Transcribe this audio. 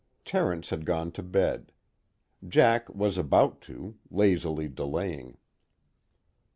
Terence had gone to bed; Jack was about to, lazily delaying.